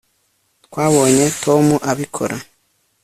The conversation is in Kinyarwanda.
twabonye tom abikora